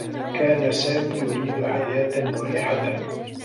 كان سامي يريد حياة مريحة.